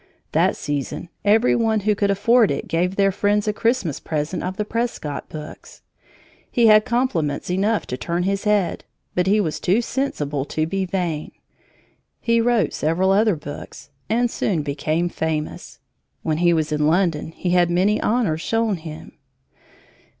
That season every one who could afford it gave their friends a Christmas present of the Prescott books. He had compliments enough to turn his head, but he was too sensible to be vain. He wrote several other books and soon became famous. When he was in London, he had many honors shown him.